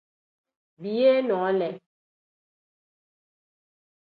Biyee noole.